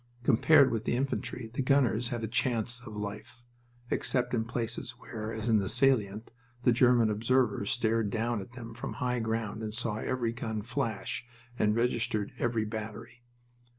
Compared with the infantry, the gunners had a chance of life, except in places where, as in the salient, the German observers stared down at them from high ground and saw every gun flash and registered every battery.